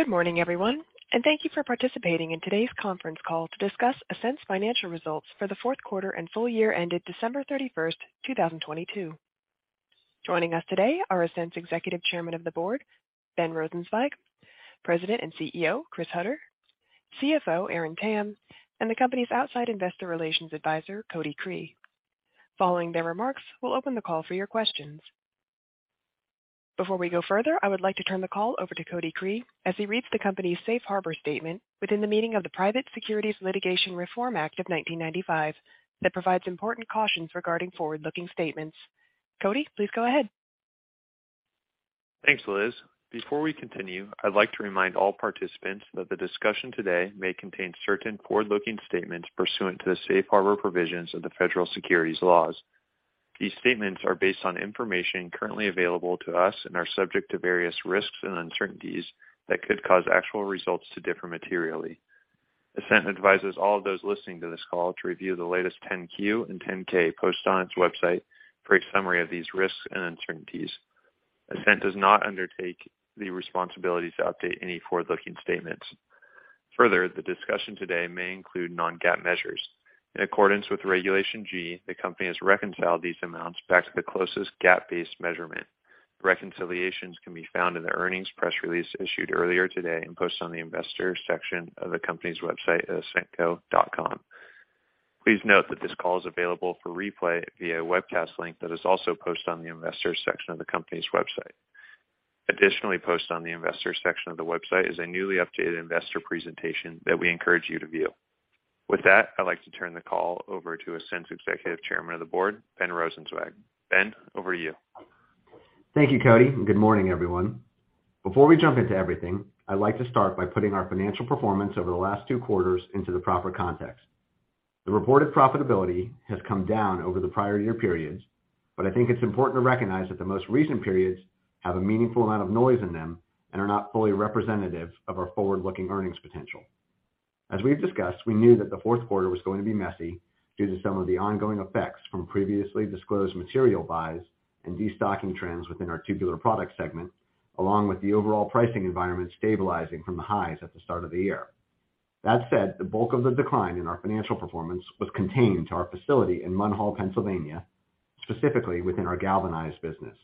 Good morning, everyone, and thank you for participating in today's conference call to discuss Ascent's Financial Results for the Fourth Quarter and Full Year ended December 31st, 2022. Joining us today are Ascent's Executive Chairman of the Board, Ben Rosenzweig; President and CEO, Chris Hutter; CFO, Aaron Tam; and the company's outside Investor Relations Advisor, Cody Cree. Following their remarks, we'll open the call for your questions. Before we go further, I would like to turn the call over to Cody Cree as he reads the company's safe harbor statement within the meaning of the Private Securities Litigation Reform Act of 1995 that provides important cautions regarding forward-looking statements. Cody, please go ahead. Thanks, Liz. Before we continue, I'd like to remind all participants that the discussion today may contain certain forward-looking statements pursuant to the safe harbor provisions of the federal securities laws. These statements are based on information currently available to us and are subject to various risks and uncertainties that could cause actual results to differ materially. Ascent advises all of those listening to this call to review the latest 10-Q and 10-K posts on its website for a summary of these risks and uncertainties. Ascent does not undertake the responsibility to update any forward-looking statements. The discussion today may include non-GAAP measures. In accordance with Regulation G, the company has reconciled these amounts back to the closest GAAP-based measurement. Reconciliations can be found in the earnings press release issued earlier today and posted on the Investors section of the company's website at ascentco.com. Please note that this call is available for replay via webcast link that is also posted on the Investors section of the company's website. Additionally posted on the Investors section of the website is a newly updated investor presentation that we encourage you to view. With that, I'd like to turn the call over to Ascent's Executive Chairman of the Board, Ben Rosenzweig. Ben, over to you. Thank you, Cody. Good morning, everyone. Before we jump into everything, I'd like to start by putting our financial performance over the last two quarters into the proper context. The reported profitability has come down over the prior year periods. I think it's important to recognize that the most recent periods have a meaningful amount of noise in them and are not fully representative of our forward-looking earnings potential. As we've discussed, we knew that the fourth quarter was going to be messy due to some of the ongoing effects from previously disclosed material buys and destocking trends within our Tubular Products segment, along with the overall pricing environment stabilizing from the highs at the start of the year. That said, the bulk of the decline in our financial performance was contained to our facility in Munhall, Pennsylvania, specifically within our galvanized business.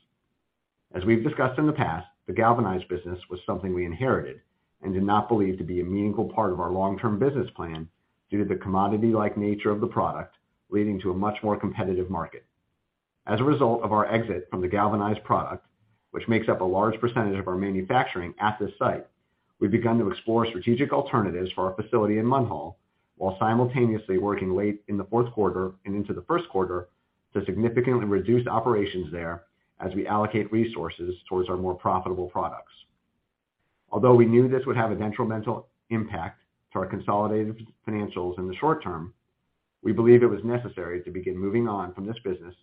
As we've discussed in the past, the galvanized business was something we inherited and did not believe to be a meaningful part of our long-term business plan due to the commodity-like nature of the product, leading to a much more competitive market. As a result of our exit from the galvanized product, which makes up a large percentage of our manufacturing at this site, we've begun to explore strategic alternatives for our facility in Munhall while simultaneously working late in the fourth quarter and into the first quarter to significantly reduce operations there as we allocate resources towards our more profitable products. Although we knew this would have a detrimental impact to our consolidated financials in the short term, we believe it was necessary to begin moving on from this business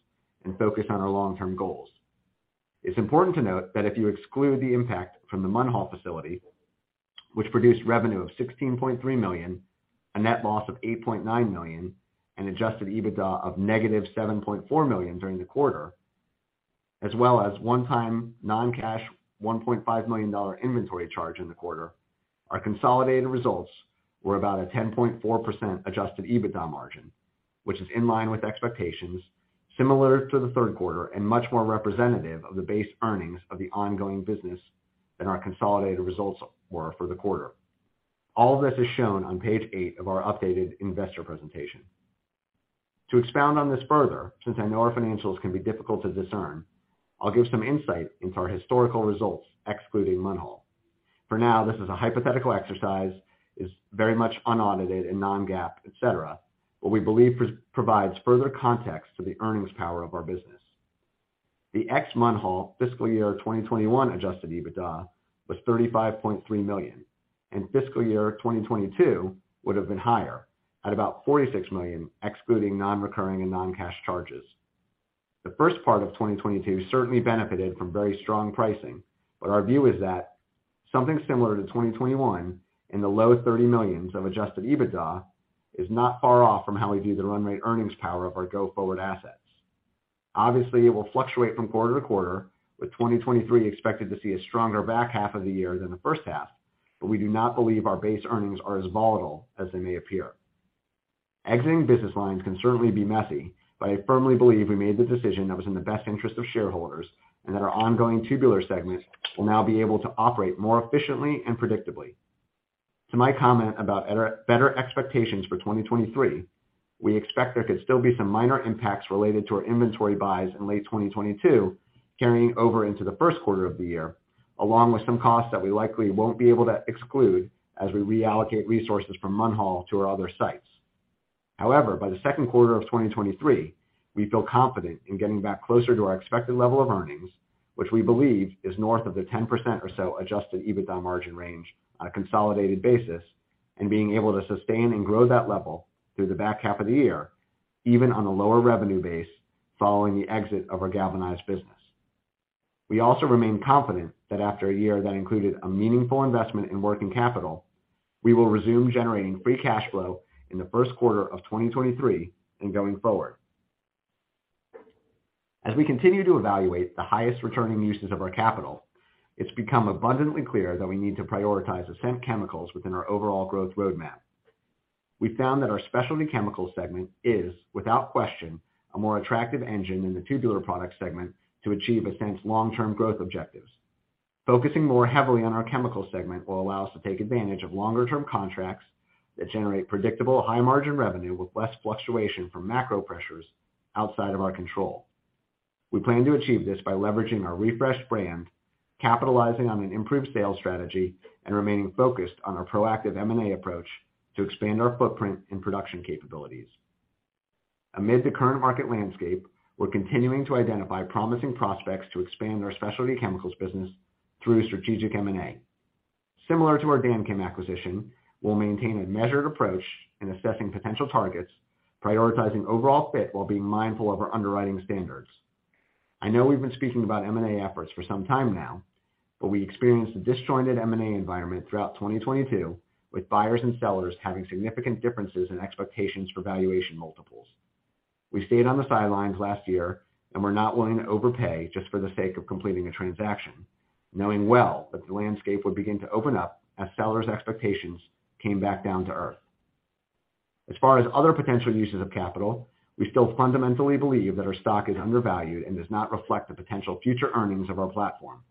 and focus on our long-term goals. It's important to note that if you exclude the impact from the Munhall facility, which produced revenue of $16.3 million, a net loss of $8.9 million, and Adjusted EBITDA of negative $7.4 million during the quarter, as well as one-time non-cash $1.5 million inventory charge in the quarter, our consolidated results were about a 10.4% Adjusted EBITDA margin, which is in line with expectations, similar to the third quarter, and much more representative of the base earnings of the ongoing business than our consolidated results were for the quarter. All of this is shown on page eight of our updated investor presentation. To expound on this further, since I know our financials can be difficult to discern, I'll give some insight into our historical results excluding Munhall. For now, this is a hypothetical exercise, it's very much unaudited and non-GAAP, et cetera, but we believe provides further context to the earnings power of our business. The ex Munhall fiscal year 2021 Adjusted EBITDA was $35.3 million, and fiscal year 2022 would have been higher at about $46 million, excluding non-recurring and non-cash charges. The first part of 2022 certainly benefited from very strong pricing, but our view is that something similar to 2021 in the low $30 millions of Adjusted EBITDA is not far off from how we view the run rate earnings power of our go-forward assets. Obviously, it will fluctuate from quarter-to-quarter, with 2023 expected to see a stronger back half of the year than the first half, but we do not believe our base earnings are as volatile as they may appear. Exiting business lines can certainly be messy. I firmly believe we made the decision that was in the best interest of shareholders and that our ongoing tubular segments will now be able to operate more efficiently and predictably. To my comment about better expectations for 2023, we expect there could still be some minor impacts related to our inventory buys in late 2022 carrying over into the first quarter of the year, along with some costs that we likely won't be able to exclude as we reallocate resources from Munhall to our other sites. By the second quarter of 2023, we feel confident in getting back closer to our expected level of earnings, which we believe is north of the 10% or so Adjusted EBITDA margin range on a consolidated basis and being able to sustain and grow that level through the back half of the year, even on a lower revenue base following the exit of our galvanized business. We also remain confident that after a year that included a meaningful investment in working capital, we will resume generating free cash flow in the first quarter of 2023 and going forward. As we continue to evaluate the highest returning uses of our capital, it's become abundantly clear that we need to prioritize Ascent Chemicals within our overall growth roadmap. We found that our Specialty Chemicals segment is, without question, a more attractive engine than the Tubular Products segment to achieve Ascent's long-term growth objectives. Focusing more heavily on our chemical segment will allow us to take advantage of longer-term contracts that generate predictable high-margin revenue with less fluctuation from macro pressures outside of our control. We plan to achieve this by leveraging our refreshed brand, capitalizing on an improved sales strategy, and remaining focused on our proactive M&A approach to expand our footprint and production capabilities. Amid the current market landscape, we're continuing to identify promising prospects to expand our Specialty Chemicals business through strategic M&A. Similar to our DanChem acquisition, we'll maintain a measured approach in assessing potential targets, prioritizing overall fit while being mindful of our underwriting standards. I know we've been speaking about M&A efforts for some time now, but we experienced a disjointed M&A environment throughout 2022, with buyers and sellers having significant differences in expectations for valuation multiples. We stayed on the sidelines last year, and were not willing to overpay just for the sake of completing a transaction, knowing well that the landscape would begin to open up as sellers' expectations came back down to earth. As far as other potential uses of capital, we still fundamentally believe that our stock is undervalued and does not reflect the potential future earnings of our platform.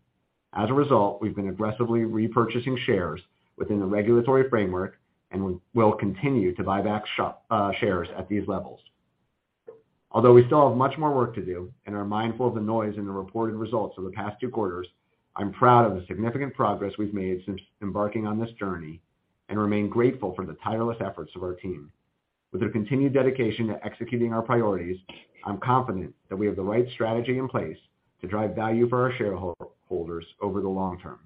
As a result, we've been aggressively repurchasing shares within the regulatory framework and will continue to buy back shares at these levels. Although we still have much more work to do and are mindful of the noise in the reported results of the past two quarters, I'm proud of the significant progress we've made since embarking on this journey, and remain grateful for the tireless efforts of our team. With their continued dedication to executing our priorities, I'm confident that we have the right strategy in place to drive value for our shareholders over the long term.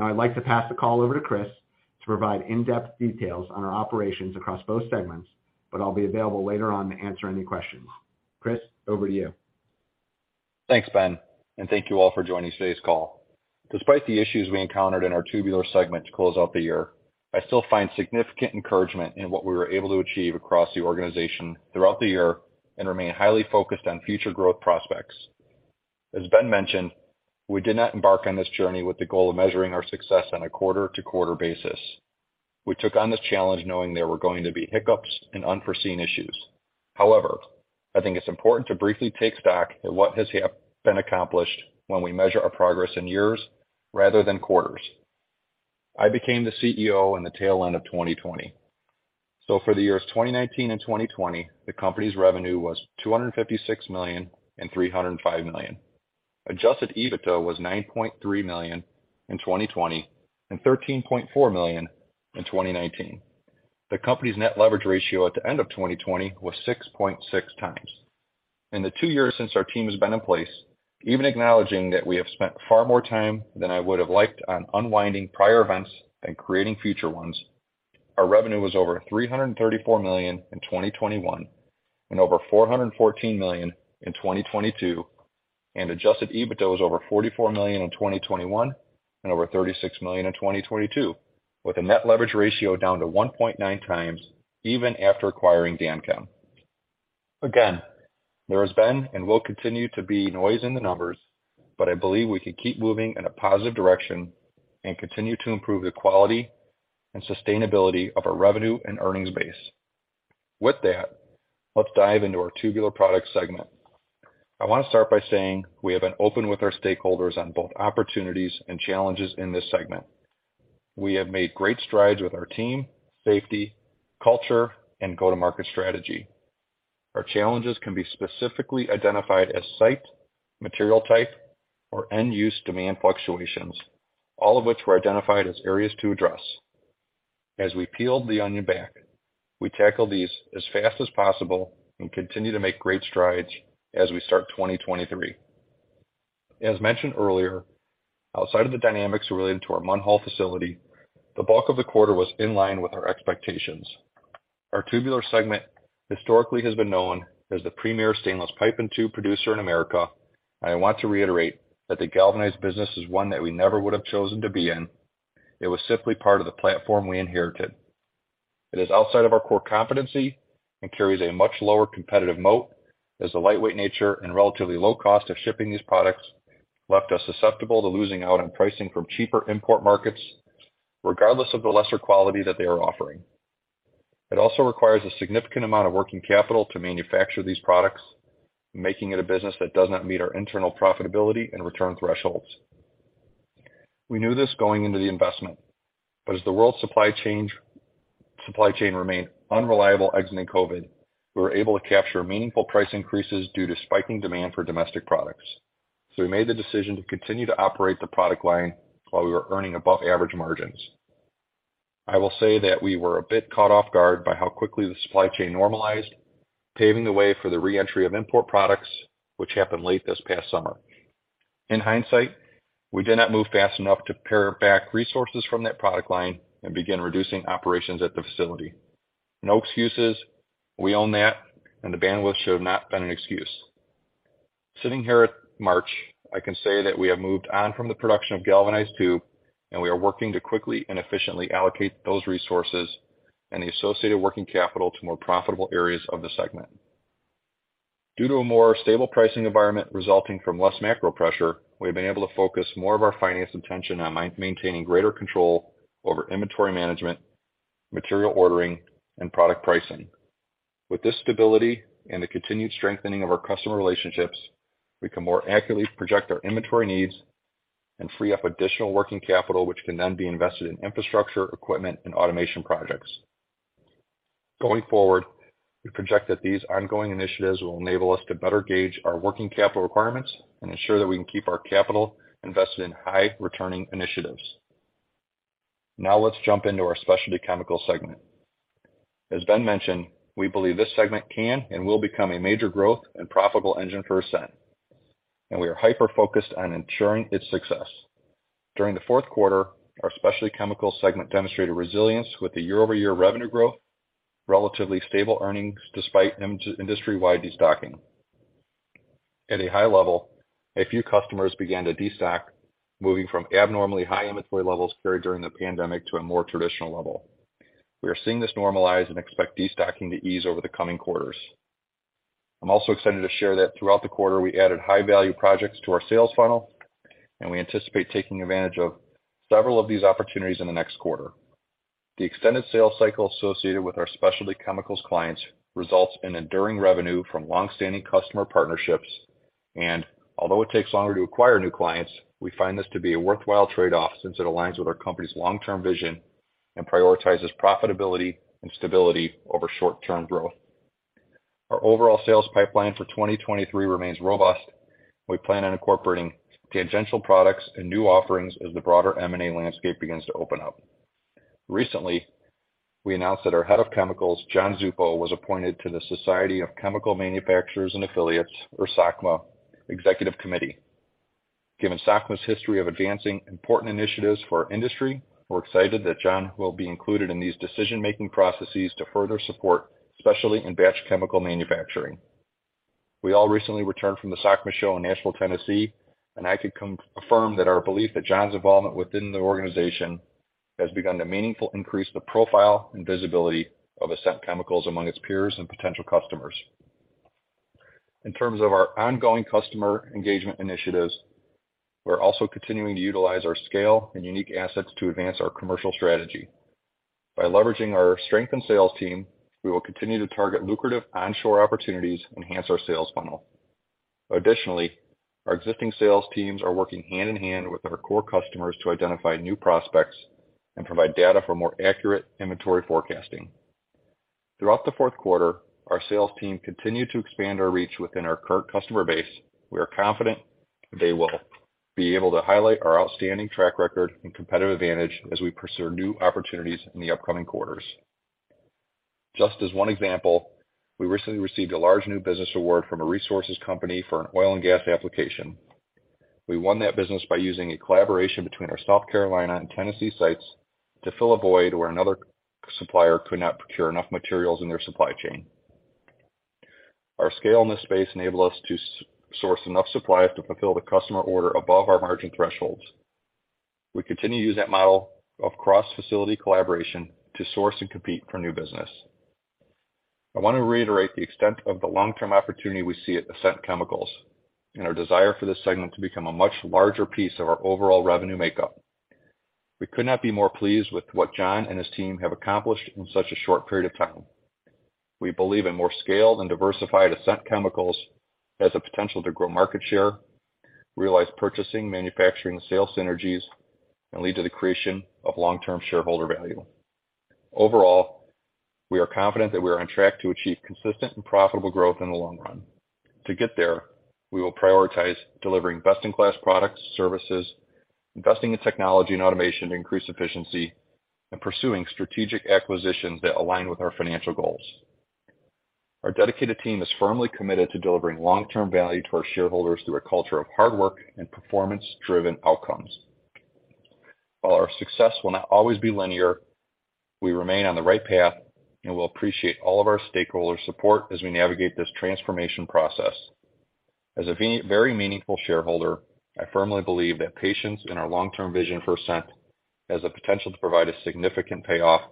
I'd like to pass the call over to Chris to provide in-depth details on our operations across both segments, but I'll be available later on to answer any questions. Chris, over to you. Thanks, Ben. Thank you all for joining today's call. Despite the issues we encountered in our Tubular segment to close out the year, I still find significant encouragement in what we were able to achieve across the organization throughout the year and remain highly focused on future growth prospects. As Ben mentioned, we did not embark on this journey with the goal of measuring our success on a quarter-to-quarter basis. We took on this challenge knowing there were going to be hiccups and unforeseen issues. I think it's important to briefly take stock at what has been accomplished when we measure our progress in years rather than quarters. I became the CEO in the tail end of 2020. For the years 2019 and 2020, the company's revenue was $256 million and $305 million. Adjusted EBITDA was $9.3 million in 2020 and $13.4 million in 2019. The company's net leverage ratio at the end of 2020 was 6.6x. In the two years since our team has been in place, even acknowledging that we have spent far more time than I would have liked on unwinding prior events and creating future ones, our revenue was over $334 million in 2021 and over $414 million in 2022, and Adjusted EBITDA was over $44 million in 2021 and over $36 million in 2022, with a net leverage ratio down to 1.9x even after acquiring DanChem. Again, there has been and will continue to be noise in the numbers, but I believe we can keep moving in a positive direction and continue to improve the quality and sustainability of our revenue and earnings base. With that, let's dive into our Tubular Products segment. I want to start by saying we have been open with our stakeholders on both opportunities and challenges in this segment. We have made great strides with our team, safety, culture, and go-to-market strategy. Our challenges can be specifically identified as site, material type, or end-use demand fluctuations, all of which were identified as areas to address. As we peeled the onion back, we tackled these as fast as possible and continue to make great strides as we start 2023. As mentioned earlier, outside of the dynamics related to our Munhall facility, the bulk of the quarter was in line with our expectations. Our Tubular segment historically has been known as the premier stainless pipe and tube producer in America. I want to reiterate that the galvanized business is one that we never would have chosen to be in. It was simply part of the platform we inherited. It is outside of our core competency and carries a much lower competitive moat, as the lightweight nature and relatively low cost of shipping these products left us susceptible to losing out on pricing from cheaper import markets, regardless of the lesser quality that they are offering. It also requires a significant amount of working capital to manufacture these products, making it a business that does not meet our internal profitability and return thresholds. We knew this going into the investment, as the world supply chain remained unreliable exiting COVID, we were able to capture meaningful price increases due to spiking demand for domestic products. We made the decision to continue to operate the product line while we were earning above-average margins. I will say that we were a bit caught off guard by how quickly the supply chain normalized, paving the way for the re-entry of import products, which happened late this past summer. In hindsight, we did not move fast enough to pare back resources from that product line and begin reducing operations at the facility. No excuses. We own that, and the bandwidth should have not been an excuse. Sitting here at March, I can say that we have moved on from the production of galvanized tube, and we are working to quickly and efficiently allocate those resources and the associated working capital to more profitable areas of the segment. Due to a more stable pricing environment resulting from less macro pressure, we've been able to focus more of our finance attention on maintaining greater control over inventory management, material ordering, and product pricing. With this stability and the continued strengthening of our customer relationships, we can more accurately project our inventory needs and free up additional working capital, which can then be invested in infrastructure, equipment, and automation projects. Going forward, we project that these ongoing initiatives will enable us to better gauge our working capital requirements and ensure that we can keep our capital invested in high returning initiatives. Now let's jump into our Specialty Chemicals segment. As Ben mentioned, we believe this segment can and will become a major growth and profitable engine for Ascent. We are hyper-focused on ensuring its success. During the fourth quarter, our Specialty Chemicals segment demonstrated resilience with a year-over-year revenue growth, relatively stable earnings despite industry-wide destocking. At a high level, a few customers began to destock, moving from abnormally high inventory levels carried during the pandemic to a more traditional level. We are seeing this normalize and expect destocking to ease over the coming quarters. I'm also excited to share that throughout the quarter, we added high-value projects to our sales funnel. We anticipate taking advantage of several of these opportunities in the next quarter. The extended sales cycle associated with our specialty chemicals clients results in enduring revenue from long-standing customer partnerships, and although it takes longer to acquire new clients, we find this to be a worthwhile trade-off since it aligns with our company's long-term vision and prioritizes profitability and stability over short-term growth. Our overall sales pipeline for 2023 remains robust. We plan on incorporating tangential products and new offerings as the broader M&A landscape begins to open up. Recently, we announced that our Head of Chemicals, John Zuppo, was appointed to the Society of Chemical Manufacturers & Affiliates, or SOCMA, Executive Committee. Given SOCMA's history of advancing important initiatives for our industry, we're excited that John will be included in these decision-making processes to further support specialty and batch chemical manufacturing. We all recently returned from the SOCMA show in Nashville, Tennessee, and I can confirm that our belief that John's involvement within the organization has begun to meaningfully increase the profile and visibility of Ascent Chemicals among its peers and potential customers. In terms of our ongoing customer engagement initiatives, we're also continuing to utilize our scale and unique assets to advance our commercial strategy. By leveraging our strength in sales team, we will continue to target lucrative onshore opportunities and enhance our sales funnel. Additionally, our existing sales teams are working hand-in-hand with our core customers to identify new prospects and provide data for more accurate inventory forecasting. Throughout the fourth quarter, our sales team continued to expand our reach within our current customer base. We are confident they will be able to highlight our outstanding track record and competitive advantage as we pursue new opportunities in the upcoming quarters. Just as one example, we recently received a large new business award from a resources company for an oil and gas application. We won that business by using a collaboration between our South Carolina and Tennessee sites to fill a void where another supplier could not procure enough materials in their supply chain. Our scale in this space enabled us to source enough suppliers to fulfill the customer order above our margin thresholds. We continue to use that model of cross-facility collaboration to source and compete for new business. I want to reiterate the extent of the long-term opportunity we see at Ascent Chemicals and our desire for this segment to become a much larger piece of our overall revenue makeup. We could not be more pleased with what John and his team have accomplished in such a short period of time. We believe a more scaled and diversified Ascent Chemicals has the potential to grow market share, realize purchasing, manufacturing, and sales synergies, and lead to the creation of long-term shareholder value. Overall, we are confident that we are on track to achieve consistent and profitable growth in the long run. To get there, we will prioritize delivering best-in-class products, services, investing in technology and automation to increase efficiency, and pursuing strategic acquisitions that align with our financial goals. Our dedicated team is firmly committed to delivering long-term value to our shareholders through a culture of hard work and performance-driven outcomes. While our success will not always be linear, we remain on the right path, and we'll appreciate all of our stakeholder support as we navigate this transformation process. As a very meaningful shareholder, I firmly believe that patience in our long-term vision for Ascent has the potential to provide a significant payoff.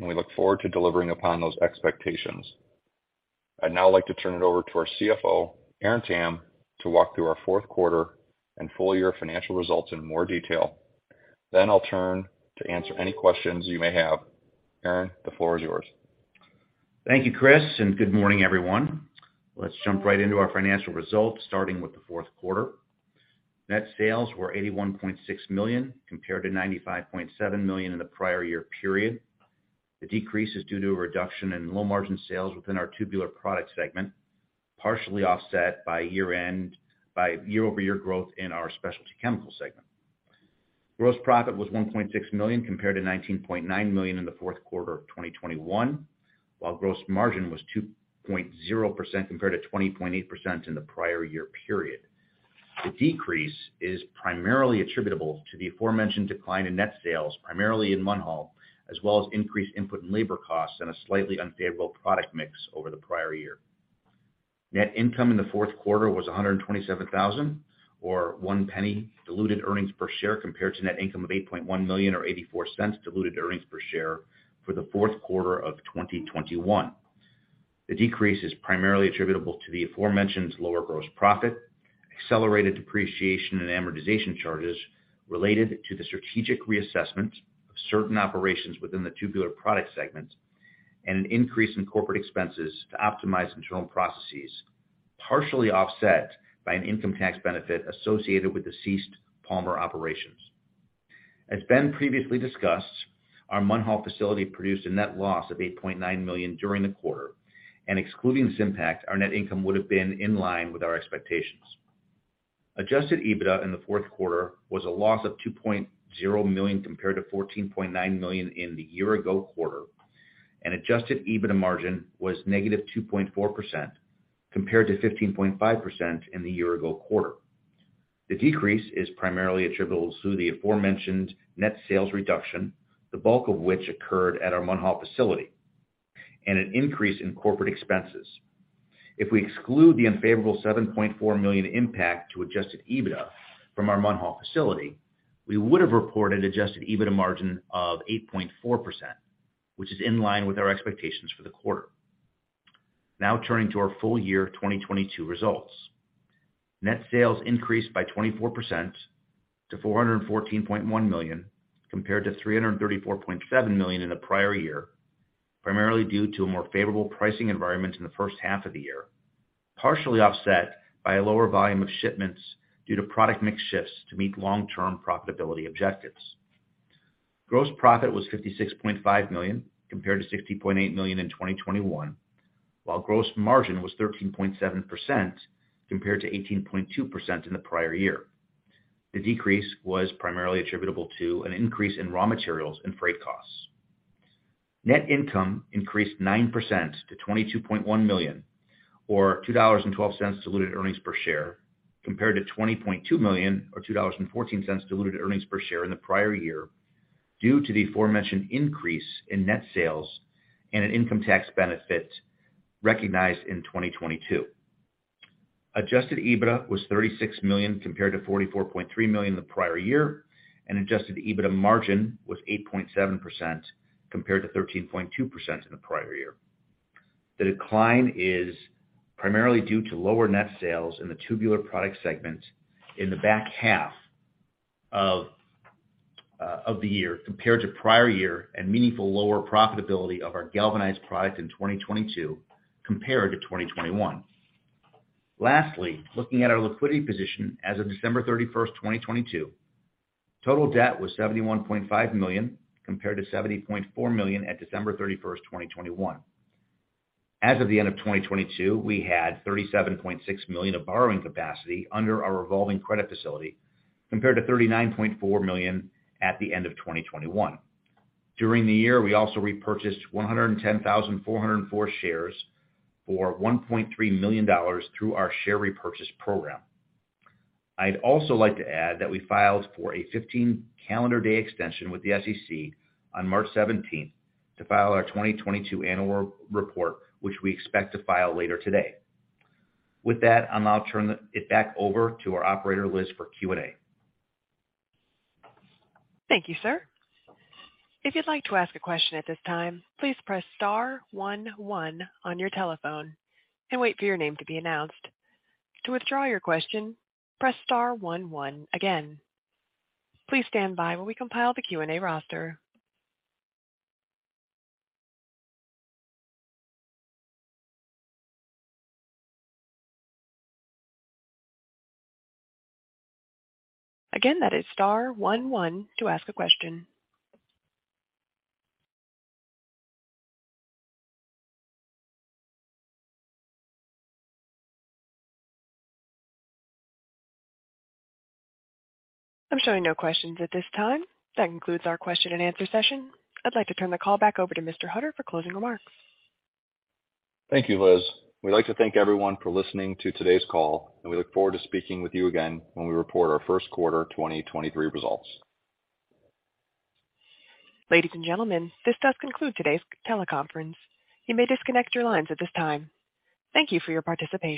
We look forward to delivering upon those expectations. I'd now like to turn it over to our CFO, Aaron Tam, to walk through our fourth quarter and full-year financial results in more detail. I'll turn to answer any questions you may have. Aaron, the floor is yours. Thank you, Chris. Good morning, everyone. Let's jump right into our financial results, starting with the fourth quarter. Net sales were $81.6 million, compared to $95.7 million in the prior year period. The decrease is due to a reduction in low-margin sales within our Tubular Products segment, partially offset by year-over-year growth in our Specialty Chemicals segment. Gross profit was $1.6 million, compared to $19.9 million in the fourth quarter of 2021, while gross margin was 2.0% compared to 20.8% in the prior year period. The decrease is primarily attributable to the aforementioned decline in net sales, primarily in Munhall, as well as increased input and labor costs and a slightly unfavorable product mix over the prior year. Net income in the fourth quarter was $127,000, or $0.01 diluted earnings per share compared to net income of $8.1 million or $0.84 diluted earnings per share for the fourth quarter of 2021. The decrease is primarily attributable to the aforementioned lower gross profit, accelerated depreciation and amortization charges related to the strategic reassessment of certain operations within the Tubular Products segment and an increase in corporate expenses to optimize internal processes, partially offset by an income tax benefit associated with the ceased Palmer operations. As Ben previously discussed, our Munhall facility produced a net loss of $8.9 million during the quarter, and excluding this impact, our net income would have been in line with our expectations. Adjusted EBITDA in the fourth quarter was a loss of $2.0 million compared to $14.9 million in the year ago quarter, and Adjusted EBITDA margin was negative 2.4% compared to 15.5% in the year ago quarter. The decrease is primarily attributable to the aforementioned net sales reduction, the bulk of which occurred at our Munhall facility, and an increase in corporate expenses. If we exclude the unfavorable $7.4 million impact to Adjusted EBITDA from our Munhall facility, we would have reported Adjusted EBITDA margin of 8.4%, which is in line with our expectations for the quarter. Turning to our full year 2022 results. Net sales increased by 24% to $414.1 million, compared to $334.7 million in the prior year, primarily due to a more favorable pricing environment in the first half of the year, partially offset by a lower volume of shipments due to product mix shifts to meet long-term profitability objectives. Gross profit was $56.5 million compared to $60.8 million in 2021, while gross margin was 13.7% compared to 18.2% in the prior year. The decrease was primarily attributable to an increase in raw materials and freight costs. Net income increased 9% to $22.1 million, or $2.12 diluted earnings per share, compared to $20.2 million or $2.14 diluted earnings per share in the prior year, due to the aforementioned increase in net sales and an income tax benefit recognized in 2022. Adjusted EBITDA was $36 million compared to $44.3 million the prior year, and Adjusted EBITDA margin was 8.7% compared to 13.2% in the prior year. The decline is primarily due to lower net sales in the Tubular Products segment in the back half of the year compared to prior year and meaningful lower profitability of our galvanized product in 2022 compared to 2021. Lastly, looking at our liquidity position as of December 31st, 2022, total debt was $71.5 million, compared to $70.4 million at December 31st, 2021. As of the end of 2022, we had $37.6 million of borrowing capacity under our revolving credit facility, compared to $39.4 million at the end of 2021. During the year, we also repurchased 110,404 shares for $1.3 million through our share repurchase program. I'd also like to add that we filed for a 15 calendar day extension with the SEC on March 17th to file our 2022 annual report, which we expect to file later today. With that, I'll now turn it back over to our Operator, Liz, for Q&A. Thank you, sir. If you'd like to ask a question at this time, please press star one one on your telephone and wait for your name to be announced. To withdraw your question, press star one one again. Please stand by while we compile the Q&A roster. Again, that is star one one to ask a question. I'm showing no questions at this time. That concludes our question-and-answer session. I'd like to turn the call back over to Mr. Hutter for closing remarks. Thank you, Liz. We'd like to thank everyone for listening to today's call, and we look forward to speaking with you again when we report our first quarter 2023 results. Ladies, and gentlemen, this does conclude today's teleconference. You may disconnect your lines at this time. Thank you for your participation.